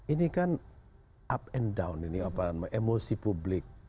ini kan up and down ini apa namanya emosi publik